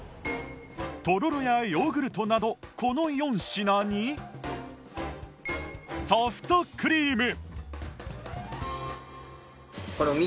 とろろやヨーグルトなどこの４品にソフトクリーム！